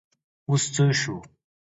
اوس څه شو ؟